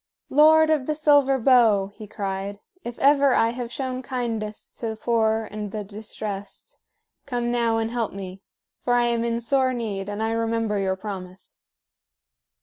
"Lord of the Silver Bow," he cried, "if ever I have shown kindness to the poor and the distressed, come now and help me. For I am in sore need, and I remember your promise."